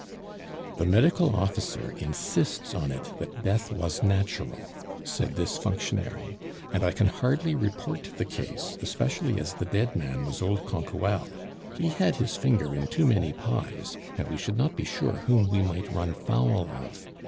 "The medical officer insists on it that death was natural," said this functionary, "and I can hardly report the case, especially as the dead man was old Canquoelle; he had his finger in too many pies, and we should not be sure whom we might run foul of.